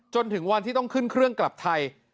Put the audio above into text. จนถึงวันที่ต้องขึ้นเครื่องกลับไทย